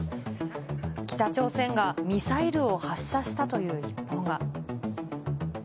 北朝鮮がミサイルを発射したという一報が。